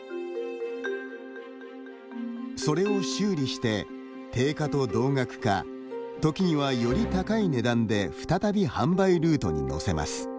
それを修理して定価と同額か時にはより高い値段で再び販売ルートにのせます。